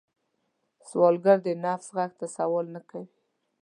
سوالګر د نفس غږ ته سوال نه کوي